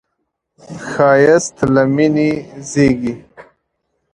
ښایست له مینې زېږي